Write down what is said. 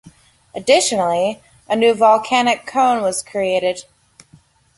Additionally a new volcanic cone was created.